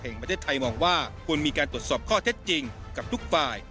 แห่งประเทศไทยมองว่าควรมีการตรวจสอบข้อเท็จจริงกับทุกฝ่าย